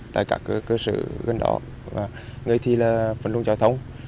tại các cơ sở gần đó người thi là phân công trò thông